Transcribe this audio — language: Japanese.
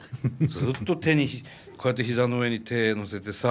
ずっとこうやって膝の上に手載せてさ。